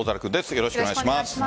よろしくお願いします。